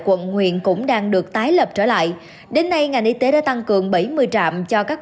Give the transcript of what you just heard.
quận huyện cũng đang được tái lập trở lại đến nay ngành y tế đã tăng cường bảy mươi trạm cho các